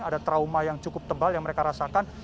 ada trauma yang cukup tebal yang mereka rasakan